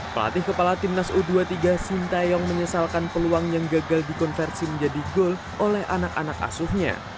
pelatih kepala timnas u dua puluh tiga sintayong menyesalkan peluang yang gagal dikonversi menjadi gol oleh anak anak asuhnya